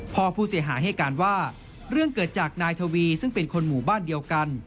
พ่อผู้เสียหายให้การว่าเรื่องเกิดจากนายทวีซึ่งเป็นคนหมู่บ้านเดียวกัน